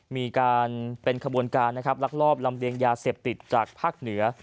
มีการเป็นขบวนการนะครับลักลอบลำเลียงยาเสพติดจากภาคเหนือ